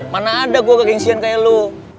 mana ada gua ga gengsian kayak lu